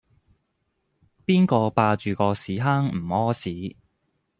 邊個霸住個屎坑唔痾屎